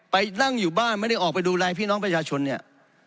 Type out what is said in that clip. ไปนั่งอยู่บ้านไม่ได้ออกไปดูแลพี่น้องประชาชนเนี่ย